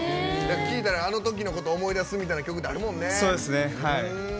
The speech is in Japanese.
聴いたら、あのときのこと思い出すみたいな曲ってあるもんね。